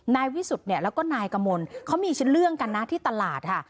นายวิสุทธิ์เนี่ยแล้วก็นายกมลเขามีชิ้นเรื่องกันนะที่ตลาดค่ะ